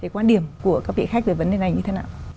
quan điểm của các vị khách về vấn đề này như thế nào